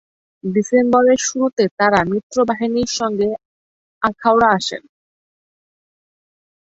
ডিসেম্বরের শুরুতে তারা মিত্রবাহিনীর সঙ্গে আখাউড়া আসেন।